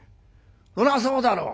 そらそうだろ。